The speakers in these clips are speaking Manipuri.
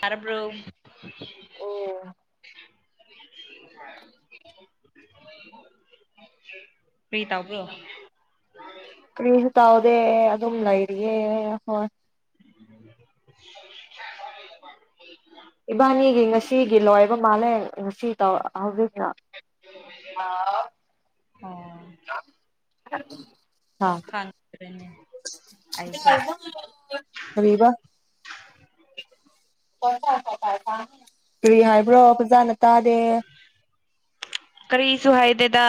ꯇꯥꯔꯕ꯭ꯔꯣ ꯑꯣ ꯀꯔꯤ ꯇꯧꯕꯔꯣ ꯀꯔꯤꯁꯨ ꯇꯧꯗꯦ ꯑꯗꯨꯝ ꯂꯩꯔꯤꯌꯦ ꯍꯣꯏ [unintelligible] ꯏꯕꯥꯅꯤꯒꯤ ꯉꯁꯤꯒꯤ ꯂꯣꯏꯕ ꯃꯥꯜꯂꯦ ꯉꯁꯤ ꯗꯣ ꯍꯧꯖꯤꯛ [unintelligible] ꯈꯪꯗ꯭ꯔꯦꯅꯦ ꯑꯩꯗꯤ ꯀꯔꯤꯕ ꯇꯥꯏ ꯀ ꯀꯔꯤ ꯍꯥꯏꯕ꯭ꯔꯣ ꯐꯖꯅ ꯇꯥꯗꯦ ꯇ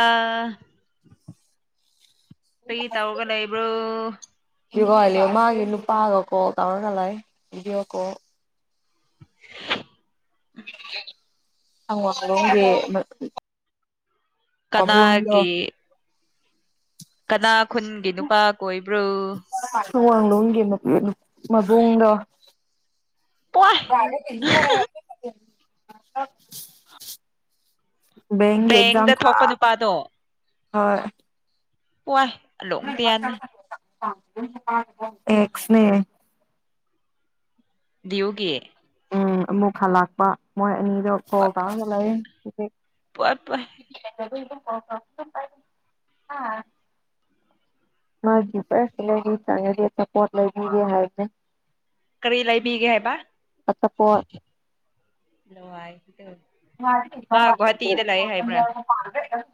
ꯀꯔꯤ ꯇꯧꯔꯒ ꯂꯩꯕ꯭ꯔꯣ ꯌꯒ ꯃꯥꯒꯤ ꯅꯨꯨꯄꯥꯒ ꯀꯣꯜ ꯇꯧꯔꯒ ꯂꯩ ꯚꯤꯗꯤꯌꯣ ꯀꯣꯜ [inaudible] ꯑꯋꯥꯡꯂꯣꯝꯒꯤ ꯀꯅꯥꯒꯤ ꯀꯅꯥ ꯈꯨꯟꯒꯤ ꯅꯨꯄꯥ ꯀꯣꯏꯕ꯭ꯔꯣ ꯁꯋꯥꯥꯡꯂꯣꯟꯒꯤ ꯃꯕꯨꯡꯗꯣ ꯄꯣꯏ [unintelligible] ꯕꯦꯡꯒꯤ ꯑꯦꯛꯖꯥꯝ ꯕꯦꯡꯗ ꯊꯥ ꯊꯣꯛꯄ ꯅꯨꯄꯥꯗꯣ ꯍꯣꯏ ꯋꯥꯏ ꯂꯣꯡ ꯄꯤꯌꯥꯅ ꯑꯀꯁ꯭ꯅꯦ ꯗꯒꯦ ꯎꯝ ꯑꯃꯨꯛ ꯍꯜꯂꯛꯄ ꯃꯣꯏ ꯑꯅꯤ ꯈꯣ ꯀꯒꯂ ꯎ [unintelligible] ꯄꯨꯄ ꯑ ꯃꯥꯒꯤꯗꯤ ꯆꯪꯅꯗꯤ ꯑꯄꯣꯠ ꯂꯩꯕꯤꯒꯦ ꯍꯥꯏꯕꯅꯦ ꯀꯔꯤ ꯂꯩꯕꯤꯒꯦ ꯍꯥꯏꯕ ꯑꯆꯥꯄꯣꯠ ꯃꯥ ꯃ ꯒꯨꯍꯥꯇꯤꯗ ꯂꯩ ꯍꯥꯏꯕ꯭ꯔꯥ ꯄꯥ꯭ꯔ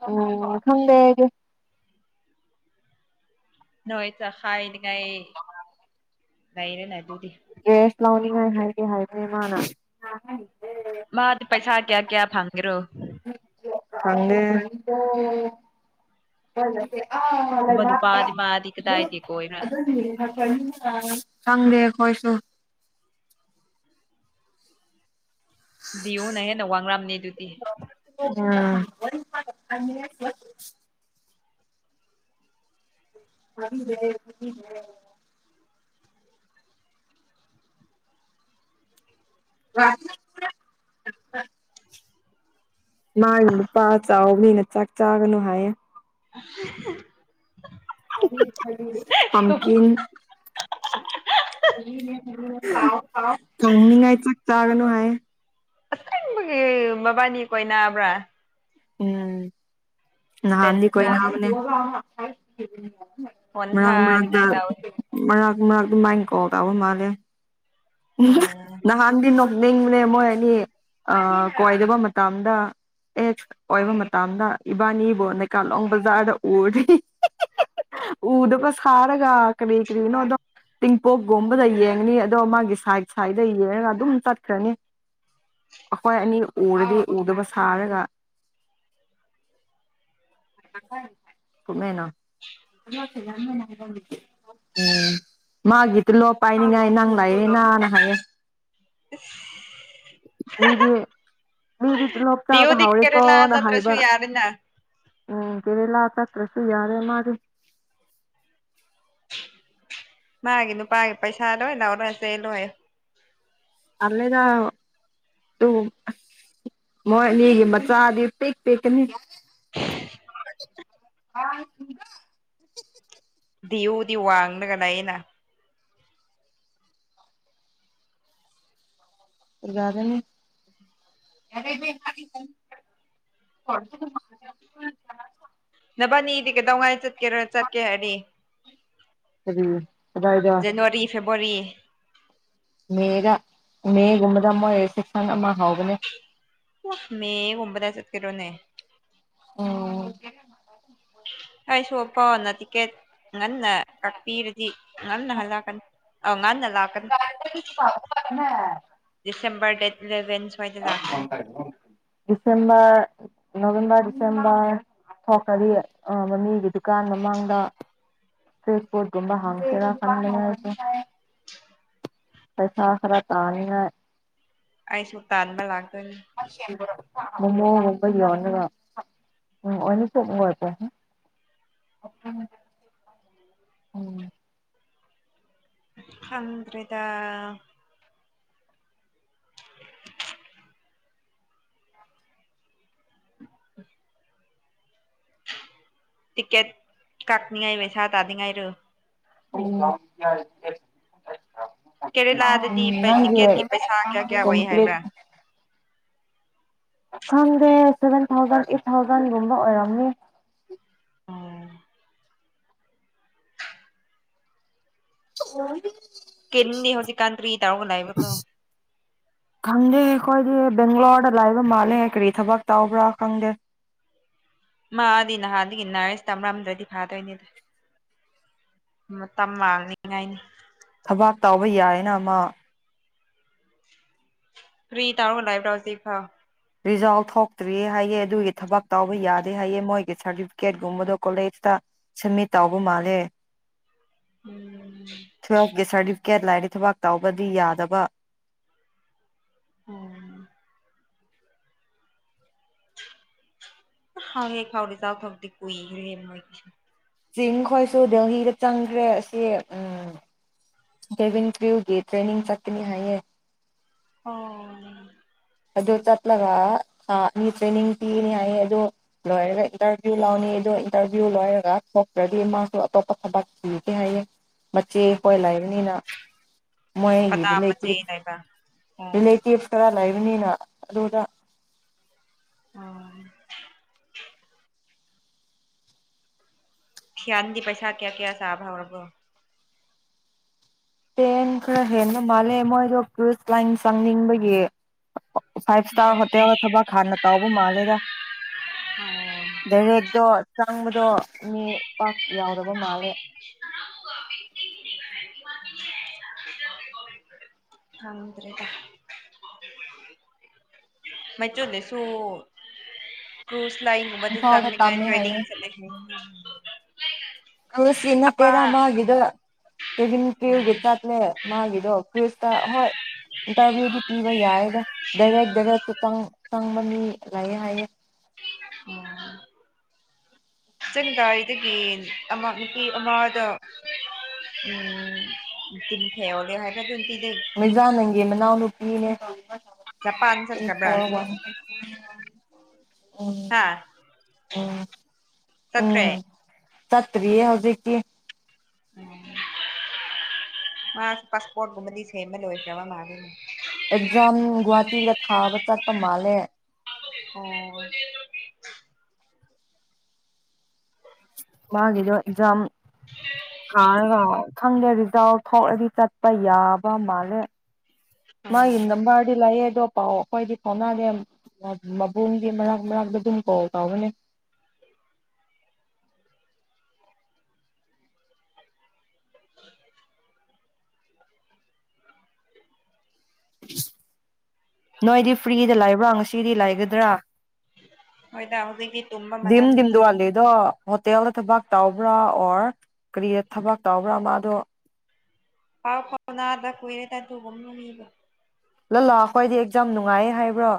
ꯎꯝ ꯍꯗꯦꯒꯦ ꯅꯣꯢꯗ ꯀꯥꯌꯦꯗꯤ ꯀꯥꯌꯦ ꯅꯩꯔꯦꯅꯦ ꯑꯗꯨꯗꯤ ꯅꯨꯡꯉꯥꯏ ꯍꯥꯏꯗꯦ ꯍꯥꯏꯗꯅꯦ ꯃꯥꯅ ꯃꯥꯗꯤ ꯄꯩꯁꯥ ꯀꯌꯥ ꯀꯌꯥ ꯐꯪꯉꯦ ꯑꯗꯨ꯭ꯔꯣ ꯐꯪꯂꯦ ꯦ ꯑꯄ ꯒꯨꯝꯕ ꯅꯨꯄꯥꯗꯤ ꯃꯥꯗꯤ ꯀꯗꯥꯏꯗꯤ ꯀꯣꯏꯕ꯭ꯔꯥ ꯑꯗꯨ ꯑꯗꯨ ꯁꯗꯦꯣꯏꯁꯨꯁꯨ ꯌꯨꯅꯦ ꯅ ꯋꯥꯡꯔꯝꯅꯤꯗꯨꯇꯤ ꯑꯥ ꯀꯗ ꯑ ꯃꯥꯒꯤ ꯅꯨꯄꯥ ꯆꯥꯎꯕꯅꯤꯅ ꯆꯥꯛ ꯆꯥꯒꯅꯨ ꯍꯥꯏꯌꯣ [unintelligible] ꯍꯪꯀꯤꯟ ꯀꯧꯅꯤꯉꯥꯏ ꯆꯥꯛ ꯆꯒꯅꯨ ꯍꯥꯏꯌꯦ ꯑꯁꯦꯡꯕꯒꯤ ꯃꯕꯥꯅꯤ ꯀꯣꯏ ꯅꯥꯕ꯭ꯔꯥ ꯎꯝ ꯅꯍꯥꯥꯟꯅꯤ ꯀꯣꯏ ꯗꯦꯟꯖꯔ ꯅꯍꯥ ꯆ ꯃꯔꯥꯡ ꯃꯔꯥꯡꯗ ꯍꯣꯟꯊꯥꯅꯤꯡꯉꯥꯏ ꯇꯧꯋꯦ ꯃꯔꯥꯡ ꯑꯗꯨ ꯃꯥꯏꯀꯒꯕ ꯃꯥꯂꯦ ꯎꯝ ꯅ ꯍꯟ ꯅꯤꯡꯕꯅꯦ ꯃꯣꯏ ꯑꯅꯤ ꯀꯣꯏꯗꯕ ꯃꯇꯝꯗ ꯑꯦ ꯑꯣꯏꯕ ꯃꯇꯝꯗ ꯏꯕꯥꯅꯤꯕꯨ ꯅꯩꯀꯥꯂꯣꯡ ꯕꯖꯥꯔꯗ ꯎꯔꯤ ꯎꯗꯕ ꯁꯥꯔꯒ ꯀꯕꯤ ꯀꯔꯤꯅꯣꯗꯣ ꯇꯤꯡꯄꯣꯛꯒꯦꯝꯕꯗ ꯌꯦꯡꯉꯅꯤ ꯑꯗꯣ ꯃꯥꯒꯤ ꯁꯥꯏꯠ ꯁꯥꯏꯗ ꯌꯦꯡꯉꯒ ꯑꯗꯨꯝ ꯆꯠꯈ꯭ꯔꯅꯤ ꯑꯩꯈꯣꯏ ꯑꯅꯤ ꯎꯔꯗꯤ ꯎꯗꯕ ꯁꯥꯔꯒ ꯀꯃꯥꯏꯅ [unintelligible] ꯎꯝ ꯃꯥꯒꯤꯗꯨꯂꯣ ꯄꯥꯏꯅꯤꯡꯉꯥꯏ ꯅꯪꯂꯥꯏꯌꯦꯅꯥꯅ ꯍꯥꯏꯌꯦ ꯃꯤꯗꯤ ꯃꯤꯗꯤ ꯇꯨꯂꯣꯞ ꯍꯥꯎꯔꯦ [unintelligible] ꯂ ꯆꯠꯇ꯭ꯔꯁꯨꯨ ꯌꯥꯔꯦꯅ ꯎꯝ ꯀꯦꯔꯦꯂꯥ ꯆꯠꯇꯠꯇ꯭ꯔꯁꯨ ꯌꯥꯔꯦ ꯃꯥꯗꯤ ꯃꯥꯒꯤ ꯅꯨꯄꯥꯒꯤ ꯄꯩꯁꯥ ꯂꯣꯏ ꯂꯥꯎꯔꯁꯦ ꯂꯣꯏ ꯑꯜꯂꯦꯗ ꯇꯨ ꯃꯣꯏ ꯑꯅꯤꯒꯤ ꯃꯆꯥꯗꯤ ꯄꯤꯛ ꯄꯤꯛꯀꯅꯤ ꯗꯤꯌꯨꯗꯤ ꯋꯥꯡꯅꯒꯅꯥꯏꯌꯦꯅ ꯖꯗꯅꯤ ꯅꯕꯅꯤꯗꯤ ꯀꯩꯗꯧꯉꯥꯏ ꯆꯠ ꯀꯦꯔ ꯆꯠꯀꯦ ꯍꯥꯏꯗꯤ [unintelligible] ꯖꯟꯋꯥꯔꯤ ꯐꯦꯕ ꯋꯥꯔꯤ ꯃꯦꯗ ꯃꯦꯒꯨꯝꯕꯗ ꯑꯃ ꯁꯦꯛꯁꯟ ꯑꯃ ꯍꯥꯎꯕꯅꯦ ꯋꯥ ꯃꯦ ꯒꯨꯝꯕꯗ ꯆꯥꯠꯀꯗꯣꯏꯅꯦ ꯑꯎ ꯑꯩ ꯁꯣꯛꯄꯅ ꯇꯤꯛꯀꯦꯠ ꯉꯟꯅ ꯀꯛꯄꯤꯔꯗꯤ ꯉꯥꯟꯅ ꯍꯜꯂꯜꯛꯀꯅꯤ ꯑ ꯉꯥꯅꯜ [unintelligible] ꯁꯦꯝꯕꯥꯔ ꯗꯦꯠ ꯏꯂꯥꯕꯦꯟ [unintelligible] ꯁꯦꯝꯕꯔ ꯅꯣꯕꯦꯝꯕꯔ ꯗꯤꯁꯦꯝꯕꯔ ꯊꯣꯛꯈꯔꯗꯤ ꯑꯥ ꯃꯃꯤꯒꯤ ꯗꯨꯀꯥꯟ ꯃꯃꯥꯡꯗ ꯐꯔꯤꯁ ꯐꯨꯔ ꯒꯨꯝꯕ ꯍꯥꯡꯁꯦꯔꯥ ꯈꯪꯅꯤꯡꯉꯥꯏ ꯄꯩꯁꯥ ꯈꯔ ꯇꯥꯅꯤꯡꯉꯥꯏ ꯑꯩꯁꯨ ꯇꯥꯥꯟꯕ ꯂꯥꯛ [inaudible] ꯃꯣꯃꯣ ꯒꯨꯝꯕ ꯌꯣꯟꯅꯕ [unintelligible] ꯈꯪꯗ꯭ꯔꯦꯗ [unintelligible] ꯇꯤꯀꯦꯠ ꯀꯥꯛꯅꯤꯡꯉꯥꯏ ꯄꯩꯁꯥꯇꯗꯤꯉꯥꯏꯔꯣ ꯎꯝ ꯀꯦꯔꯦꯂꯥꯗꯗꯤ ꯄꯩ ꯇꯤꯛꯀꯦꯠꯀꯤ ꯄꯩꯁꯥ ꯀꯌꯥ ꯀꯌꯥ ꯑꯣꯏ ꯍꯥꯏꯕ꯭ꯔꯥ ꯀꯝꯄ꯭ꯂꯤꯠ ꯈꯪꯗꯦ ꯁꯚꯦꯟ ꯊꯥꯎꯖꯟ ꯑꯩꯏꯠ ꯊꯥꯎꯖꯟꯒꯨꯝꯕ ꯑꯣꯏꯔꯝꯅꯤ [inaudible] ꯀꯤꯟꯗꯤ ꯍꯧꯖꯤꯛꯀꯥꯟ ꯀꯔꯤ ꯇꯥꯎꯕ ꯂꯩꯕꯀꯣ ꯈꯪꯗꯦ ꯑꯩꯈꯣꯏꯗꯤ ꯕꯦꯡꯒ꯭ꯂꯣꯔꯗ ꯂꯥꯛꯕ ꯃꯥꯜꯂꯦ ꯀꯔꯤ ꯊꯕꯛ ꯇꯧꯕ꯭ꯔꯥ ꯈꯪꯗꯦ ꯃꯥꯗꯤ ꯅꯍꯥꯟꯗꯒꯤ ꯅꯥꯔꯁ ꯇꯝꯔꯝꯗ꯭ꯔꯗꯤ ꯐꯥꯗꯣꯏꯅꯤꯗ ꯃꯇꯝ ꯃꯥꯡꯅꯤꯡꯉꯥꯏꯅꯤ ꯊꯕꯥꯛ ꯇꯥꯎꯕ ꯌꯥꯏꯅ ꯑꯃ ꯀꯔꯤ ꯇꯥꯔꯒ ꯂꯕ꯭ꯔꯥꯎꯁꯤꯐꯥ ꯔꯤꯖꯥꯎꯜ ꯊꯣꯛꯇ꯭ꯔꯤꯌꯦ ꯍꯥꯏꯑꯦ ꯑꯗꯨꯒꯤ ꯊꯕꯛ ꯇꯥꯎꯧꯕ ꯌꯥꯗꯦ ꯍꯥꯏꯑꯦ ꯃꯣꯏꯒꯤ ꯁꯥꯔꯇꯤꯐꯤꯀꯦꯠꯒꯨꯝꯕꯗꯣ ꯀꯣꯂꯦꯖꯇ ꯁꯝꯃꯤꯠ ꯇꯧꯕ ꯃꯥꯜꯂꯦ ꯎꯝ ꯊꯣꯏ ꯑꯦ ꯁꯥ ꯀꯌꯥꯗ ꯂꯥꯏꯔꯤ ꯊꯕꯥꯛ ꯇꯥꯎꯕꯗꯤ ꯌꯥꯗꯕ ꯑꯣꯝ ꯍꯥꯎꯦ ꯈꯥꯎꯔꯤ ꯆ ꯊ ꯍꯧꯗꯤ ꯀꯏ ꯔꯦ ꯆꯤꯡ ꯈꯣꯏꯁꯨ ꯗꯦꯜꯍꯤꯗ ꯆꯪꯈ꯭ꯔꯦ ꯑꯁꯤ ꯀꯦꯚꯟ ꯀ꯭ꯌꯨꯒꯤ ꯇ꯭ꯔꯦꯅꯤꯡ ꯆꯠꯀꯅꯤ ꯍꯥꯏꯌꯦ ꯑꯣ ꯑꯗꯨ ꯆꯠꯂꯒ ꯊꯥ ꯑꯅꯤ ꯇ꯭ꯔꯦꯅꯤꯡ ꯄꯤꯅꯤ ꯍꯥꯏꯌꯦ ꯑꯗꯨ ꯂꯣꯏꯔꯒ ꯏꯟꯇꯔꯚꯤꯌꯨ ꯂꯧꯅꯤ ꯑꯗꯨ ꯏꯟꯇꯔꯚꯤꯌꯨ ꯂꯣꯏꯔꯒ ꯊꯣꯛꯇ꯭ꯔꯗꯤ ꯃꯥꯁꯨ ꯑꯇꯣꯞꯄ ꯊꯕꯛ ꯄꯤꯒꯦ ꯍꯥꯏꯌꯦꯦ ꯃꯆꯦꯈꯣꯏ ꯂꯩꯕꯅꯤꯅ ꯃꯣꯏꯒꯤ ꯀꯅꯥ ꯃꯆꯦ ꯔꯤꯂꯦꯇꯤꯚ ꯂꯩꯕ ꯑꯣ ꯔꯤꯂꯦꯇꯤꯚ ꯈꯔ ꯂꯩ ꯌꯅꯤꯅ ꯑꯗꯨꯣꯗꯥ ꯑꯣ ꯁꯌꯥꯟꯗꯤ ꯄꯩꯁꯥ ꯀꯌꯥ ꯀꯌꯥ ꯁꯥꯕꯔꯔꯕꯣ ꯇꯦꯟ ꯈꯔ ꯍꯦꯟꯕ ꯃꯥꯜꯂꯦ ꯃꯣꯏꯗꯣ ꯀ꯭ꯔꯨꯖ ꯂꯥꯏꯟ ꯆꯪꯅꯤꯡꯕꯒꯤ ꯐꯥꯏꯚ ꯏꯁꯇꯥꯔ ꯍꯣꯇꯦꯜꯗ ꯊꯕꯛ ꯍꯥꯟꯅ ꯇꯥꯎꯕ ꯃꯥꯜꯂꯦꯗ ꯗꯥꯏꯔꯦꯛꯇꯣ ꯆꯪꯕꯗꯣ ꯃꯤ ꯌꯥꯎꯗꯕꯣ ꯃꯥꯂꯦ ꯊꯗ꯭ꯔꯦꯗ ꯃꯆꯨꯗꯁꯨꯣ ꯀ ꯂꯥꯏꯟ ꯃ ꯏꯝꯐꯥꯜꯗ ꯆꯥꯡꯂꯤꯥꯏ ꯇꯝꯃꯦ ꯇ꯭ꯔꯦꯅꯤꯡ ꯍꯥꯏꯌꯦ ꯆ ꯂꯩ ꯎ ꯀꯁꯤ ꯏꯅ ꯇꯦꯔꯃ ꯍꯥꯏꯒꯗ ꯀꯦꯕꯤꯤꯟ ꯄ꯭ꯤꯌ ꯒꯤꯦꯠꯇꯠꯂꯦ ꯃꯥꯒꯤꯗꯣ ꯀꯁꯇ ꯍꯣꯏ ꯏꯟꯇꯔꯚꯤꯌꯨꯗꯤ ꯄꯤꯕ ꯌꯥꯏꯦꯗ ꯗꯥꯏꯔꯦꯛ ꯗꯥꯏꯔꯦ ꯆꯪꯕ ꯃꯤ ꯂꯩꯑꯦ ꯍꯥꯏꯌꯦꯦ ꯎꯝ ꯆꯪꯗꯥꯏꯗꯒꯤ ꯅꯨꯄꯤ ꯑꯃꯗ ꯎꯝ ꯇꯤꯟꯊꯩꯍꯣꯜꯂꯦ ꯍꯥꯏꯔ ꯑꯗꯨ ꯃꯖꯥ ꯅꯪꯒꯤ ꯃꯅꯥꯑꯣꯅꯨꯄꯤ ꯃꯤꯅꯦ ꯍ ꯆꯖꯄꯥꯟ ꯆꯈ꯭ꯔꯕ꯭ꯔꯥ ꯎꯝ ꯍꯥꯥ ꯎꯝ ꯆꯈ꯭ꯔꯦ ꯇꯠꯇꯔꯤꯌꯦ ꯍꯧꯖꯤꯛꯀꯤ ꯎ ꯃꯥ ꯄꯥꯁꯄꯣꯔꯠ꯭ ꯀꯨꯝꯕꯗꯤ ꯁꯦꯝꯕꯥ ꯂꯣꯏꯈꯔ꯭ꯕ ꯃꯜꯂꯤꯅꯦ ꯑꯦꯛꯖꯥꯝ ꯒꯨꯍꯥꯇꯤꯗ ꯊꯥꯕ ꯆꯠꯄ ꯃꯥꯜꯂꯦ ꯑꯣ ꯃꯥꯒꯤꯗꯣ ꯑꯦꯛꯖꯥꯝ ꯊꯥꯔꯒ ꯈꯪꯗꯦ ꯔꯤꯖꯗꯥꯥꯎ ꯊꯣꯛꯂꯗꯤ ꯆꯠꯄ ꯌꯥꯕ ꯃꯥꯜꯂꯦ ꯑꯣ ꯃꯥꯒꯤ ꯅꯝꯕꯔꯗꯤ ꯂꯩꯑ ꯑꯗꯣ ꯄꯥꯎ ꯑꯩꯈꯣꯏꯗꯤ ꯐꯥꯎꯅꯅꯦ ꯃꯕꯨꯡꯗꯤ ꯃꯔꯛ ꯃꯔꯛꯇ ꯑꯗꯨꯝ ꯀꯣꯜ ꯇꯧꯔꯅꯤ ꯅꯣꯏꯗꯤ ꯐ꯭ꯔꯤꯗ ꯂꯥꯏꯕ꯭ꯔꯥ ꯉꯁꯤꯗꯤ ꯂꯥꯏꯒꯗ꯭ꯔꯥ ꯍꯣꯏꯗ ꯍꯧꯖꯤꯛꯀꯤ ꯇꯨꯝꯕ ꯃꯇꯝꯅꯤꯣꯏ ꯗꯤꯝꯗꯣꯋꯥꯂꯤꯗꯣ ꯍꯣꯇꯦꯜꯗ ꯊꯕꯛ ꯇꯕ꯭ꯔꯥ ꯑꯣꯔ ꯀꯔꯤꯗ ꯊꯕꯛ ꯇꯕ꯭ꯔꯥ ꯃꯥꯗꯣ ꯄꯥꯎ ꯐꯥꯎꯅ ꯑꯗ ꯀꯣꯏꯔꯦ ꯇ ꯇꯒꯝꯅ ꯂꯥꯛ ꯑꯩꯈꯣꯏꯗꯤ ꯑꯦꯛꯖꯥꯝ ꯅꯨꯡꯉꯥꯏ ꯍꯥꯏꯕ꯭ꯔꯣ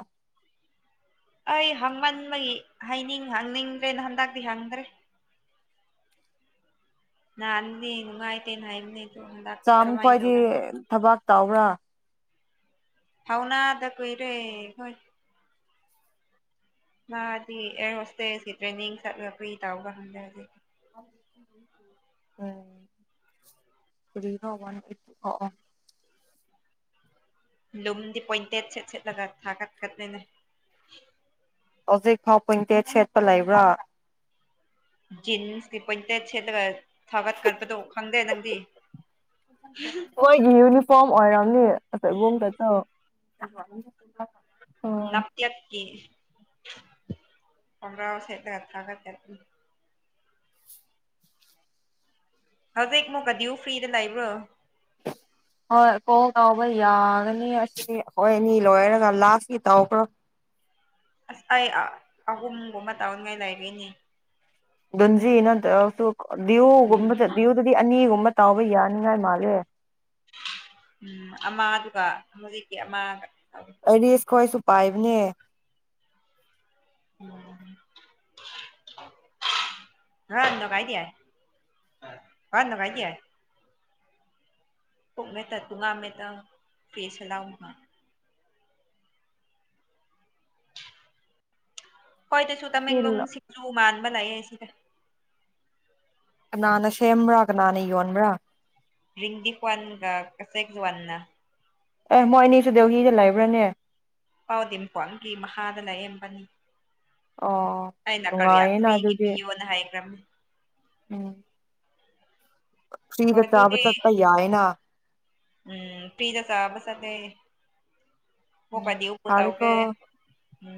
ꯑꯩ ꯍꯪꯃꯟꯕꯒꯤ ꯍꯥꯏꯅꯤꯡ ꯍꯪꯅꯤꯡꯗ꯭ꯔꯦꯅ ꯍꯟꯗꯛꯇꯛꯇꯤ ꯍꯪꯗ꯭ꯔꯦ ꯍꯥꯟꯅꯤꯦ ꯅꯨꯡꯉꯥꯏꯇꯦꯅ ꯍꯥꯏꯕꯅꯤ ꯆꯥꯃ ꯈ꯭ꯋꯥꯏꯗꯤ ꯊꯕꯥꯛ ꯇꯥꯎꯕ꯭ꯔꯥ ꯐꯥꯎꯅꯥꯗ ꯀꯨꯣꯏꯔꯦ ꯍꯣꯏ ꯃꯥꯗꯤ ꯑꯦꯔ ꯍꯣꯁꯇꯦꯜꯁꯤ ꯇ꯭ꯔꯦꯅꯤꯡ ꯆꯠꯂꯒ ꯀꯔꯤ ꯇꯥꯎꯕꯔ ꯈꯪꯗꯦ ꯍꯧꯖꯤꯛ ꯎꯝ [unintelligible] ꯂꯨꯝꯗꯤ ꯄꯣꯏꯟꯇꯦꯠ ꯁꯦꯠ ꯁꯦꯠꯂꯒ ꯊꯥꯒꯠꯀꯠꯅꯤꯅ ꯍꯧꯖꯤꯛ ꯐꯥꯎ ꯄꯣꯏꯟꯇꯦꯠ ꯁꯦꯠꯄ ꯂꯩꯕ꯭ꯔꯥ ꯖꯤꯟꯁ ꯀꯤ ꯄꯣꯏꯟꯇꯦꯠ ꯁꯦꯠꯂꯒꯥ ꯃꯣꯏꯒꯤ ꯌꯨꯅꯤꯐꯣꯔꯝ ꯑꯣꯏꯔꯝꯅꯤ [unintelligible] [unintelligible] ꯑꯣ [unintelligible] ꯈꯣꯡꯒꯔꯥꯎ ꯁꯦꯠꯂꯒꯥ [unintelligible] ꯍꯧꯖꯤꯥꯛ ꯃꯨꯛꯀꯥ ꯗꯤꯌꯨ ꯐ꯭ꯔꯤꯗ ꯂꯩꯕ꯭ꯔꯣ ꯍꯣꯏ ꯀꯣꯜ ꯇꯎꯕ ꯌꯥꯒꯅꯤ ꯑꯁꯤ ꯑꯩꯈꯣꯏ ꯑꯅꯤ ꯂꯣꯏꯔꯒ ꯂꯥꯁꯀꯤ ꯇꯥꯎꯈ꯭ꯔꯣ ꯑꯁ ꯑꯩ ꯑꯍꯨꯝꯒꯨꯝꯕ ꯇꯧꯅꯤꯡꯉꯥꯏ ꯂꯩꯔꯤꯅꯦ [unintelligible] ꯗꯤꯌꯨꯒꯨꯝꯕꯗ ꯗꯤ꯭ꯌꯨꯗꯗꯤ ꯑꯅꯤꯒꯨꯝꯕ ꯇꯥꯎꯕ ꯌꯥꯅꯤꯉꯥꯏ ꯃꯥꯜꯂꯦ ꯎꯝ ꯑꯃꯥꯗꯨꯒ ꯍꯧꯖꯤꯛꯀꯤ ꯑꯃꯒ ꯑꯥꯏꯔꯤꯁ ꯈꯣꯏꯁꯨ ꯄꯥꯏꯕꯅꯦ [unintelligible] [unintelligible] ꯑꯩꯈꯣꯏꯗꯁꯨ ꯑꯁꯤ ꯇꯃꯦꯡꯂꯣꯡ ꯁꯤꯡꯖꯨ ꯃꯥꯟ ꯕꯂꯩꯇꯦ ꯁꯤꯗ ꯀꯅꯥꯅꯥ ꯁꯦꯝꯕꯔꯥ ꯀꯅꯥꯅ ꯌꯣꯟꯕꯔꯥ [unintelligible] ꯋꯥꯟꯅꯥ ꯑꯦ ꯃꯣꯏ ꯑꯅꯤꯁꯨꯨ ꯗꯦꯜꯍꯤꯗ ꯂꯩꯕ꯭ꯔꯥꯅꯦ [unintelligible] ꯃꯈꯥꯗ ꯂꯥꯌꯦ ꯃꯕꯥꯟꯅꯤ ꯑꯣ ꯑꯩꯅ ꯀꯔꯤ ꯅꯨꯡꯉꯥꯏꯌꯦꯅ ꯑꯈ꯭ꯔꯤꯒꯤ ꯑꯗꯨꯗꯤ ꯄꯌꯣꯅ ꯍꯥꯏꯈ꯭ꯔꯝꯃꯤ ꯎꯝ ꯍꯣꯏ ꯐꯔꯤꯗ ꯆꯥꯕ ꯑꯗꯨꯗꯤ ꯆꯄ ꯌꯥꯌꯦꯅ ꯎꯝ ꯄꯤꯖ ꯆꯕ ꯆꯠꯂꯦ ꯎꯝ ꯐꯔꯦꯀꯣ [unintelligible] ꯎꯝ